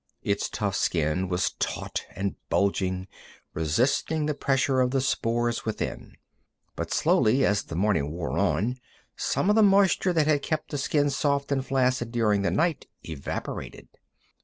Its tough skin was taut and bulging, resisting the pressure of the spores within. But slowly, as the morning wore on, some of the moisture that had kept the skin soft and flaccid during the night evaporated.